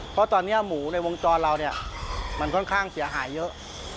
เพราะตอนนี้มูในวงจรเราค่อนข้างเสียหายเยอะ